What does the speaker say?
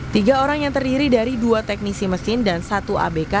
tiga orang yang terdiri dari dua teknisi mesin dan satu kapal yang terbakar di pelabuhan muara baru